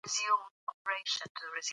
دوی به یې مړی ښخ کړی وي.